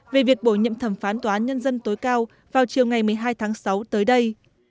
về việc bổ nhiệm thẩm phán tòa án nhân dân tối cao vào chiều ngày một mươi hai tháng sáu tới đây